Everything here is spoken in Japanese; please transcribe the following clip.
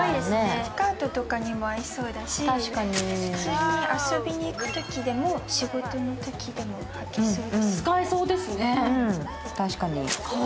スカートとかにも合いそうだし、遊びに行くときでも仕事のときでも履けそうです。